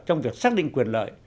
trong việc xác định quyền lợi